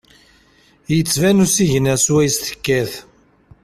Yettban usigna swayes tekkat.